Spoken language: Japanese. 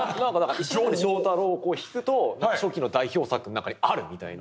「石森章太郎」を引くと初期の代表作の中にあるみたいな。